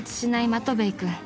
マトヴェイ君］